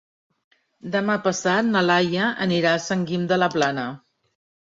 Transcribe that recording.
Demà passat na Laia anirà a Sant Guim de la Plana.